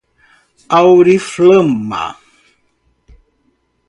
Auriflama